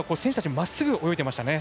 まっすぐ泳いでいました。